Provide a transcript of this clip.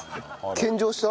献上した？